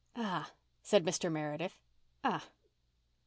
"Ah!" said Mr. Meredith. "Ah!"